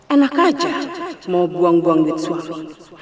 enak aja mau buang buang becuali